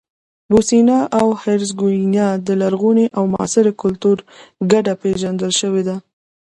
بوسنیا او هرزګوینا د لرغوني او معاصر کلتور ګډه پېژندل شوې ده.